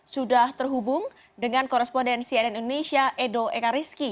sudah terhubung dengan korespondensi dari indonesia edo ekariski